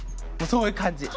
そういう感じ。